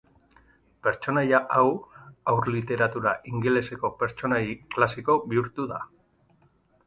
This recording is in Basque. Pertsonaia hau, haur literatura ingeleseko pertsonai klasiko bihurtu da.